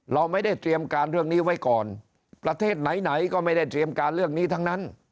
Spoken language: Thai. เราไม่ได้เตรียมการเรื่องนี้ไว้ก่อนประเทศไหนไหนก็ไม่ได้เตรียมการเรื่องนี้ทั้งนั้น